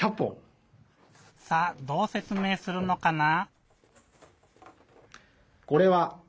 さあどうせつめいするのかな？